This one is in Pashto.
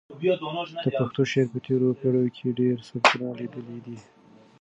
د پښتو شعر په تېرو پېړیو کې ډېر سبکونه لیدلي دي.